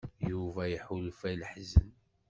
Yuba iḥulfa i leḥzen.